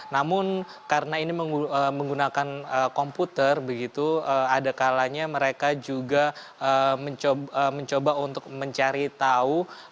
namun karena ini menggunakan komputer begitu ada kalanya mereka juga mencoba untuk mencari tahu